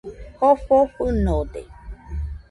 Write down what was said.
Jofo fɨnode